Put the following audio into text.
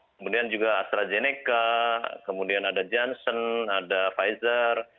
kemudian juga astrazeneca kemudian ada johnson ada pfizer